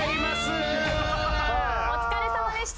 お疲れさまでした！